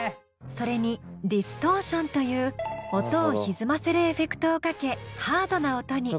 それにディストーションという音をひずませるエフェクトをかけハードな音に。